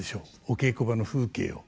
お稽古場の風景を。